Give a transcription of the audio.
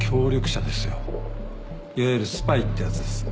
いわゆるスパイってやつです。